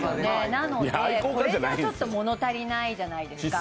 なので、これじゃちょっと物足りないじゃないですか。